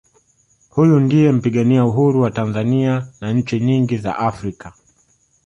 huyu ndiye mpigania Uhuru wa tanzania na nchi nyingi za africa